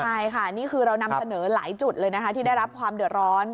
ใช่ค่ะนี่คือเรานำเสนอหลายจุดเลยนะคะที่ได้รับความเดือดร้อน